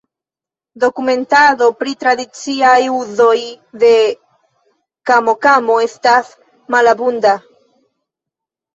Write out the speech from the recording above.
Dokumentado pri tradiciaj uzoj de kamokamo estas malabunda.